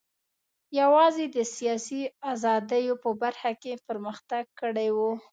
یوازې د سیاسي ازادیو په برخه کې پرمختګ کړی و.